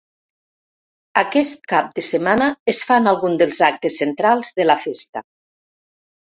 Aquest cap de setmana es fan alguns dels actes centrals de la festa.